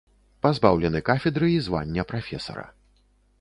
Пазбаўлены кафедры і звання прафесара.